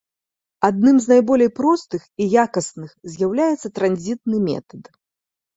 Адным з найболей простых і якасных з'яўляецца транзітны метад.